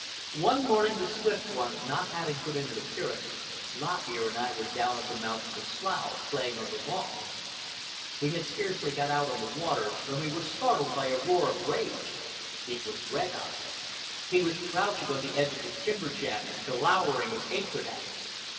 One morning, the Swift One not having put in an appearance, Lop Ear and I were down at the mouth of the slough playing on the logs. We had scarcely got out on the water, when we were startled by a roar of rage. It was Red Eye. He was crouching on the edge of the timber jam and glowering his hatred at us.